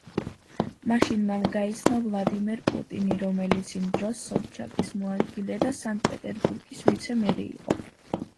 მაშინ მან გაიცნო ვლადიმერ პუტინი, რომელიც იმ დროს სობჩაკის მოადგილე და სანქტ-პეტერბურგის ვიცე-მერი იყო.